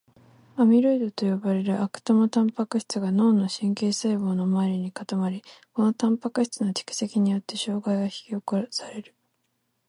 アミロイドと呼ばれる悪玉タンパク質が脳の神経細胞の周りに固まり、このタンパク質の蓄積によって障害が引き起こされる。